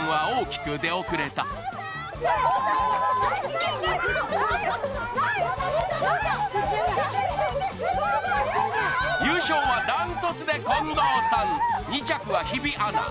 行け行け行けわい優勝はダントツで近藤さん２着は日比アナ